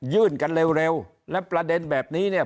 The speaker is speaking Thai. ยื่นกันเร็วและประเด็นแบบนี้เนี่ย